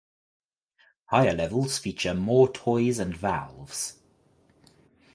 Higher levels feature more toys and valves.